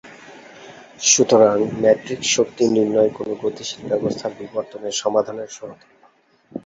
সুতরাং, ম্যাট্রিক্স শক্তি নির্ণয় কোন গতিশীল ব্যবস্থার বিবর্তনের সমাধানের সমতুল্য।